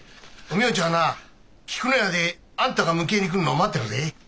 お美代ちゃんはなあ菊乃屋であんたが迎えに来るのを待ってるぜ。